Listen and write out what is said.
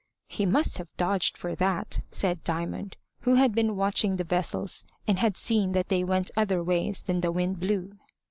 "He must have dodged for that," said Diamond, who had been watching the vessels, and had seen that they went other ways than the wind blew.